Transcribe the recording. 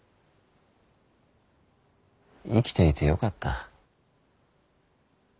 生きていてよかった。